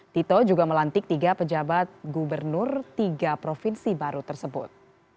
tito juga melantik tiga pejabat gubernur tiga provinsi baru tersebut